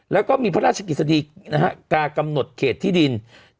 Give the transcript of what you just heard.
แล้วก็มีพระราชกิจสดีนะฮะกากำหนดเขตที่ดิน